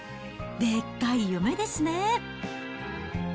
でっかい夢ですね。